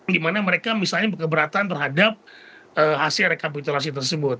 di mana mereka misalnya berkeberatan terhadap hasil rekapitulasi tersebut